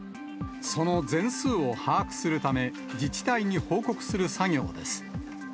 その全数を把握するため、自治体に報告する作業です。